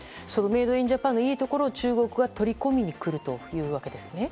メイド・イン・ジャパンのいいところを中国が取り込みに来るというわけですね。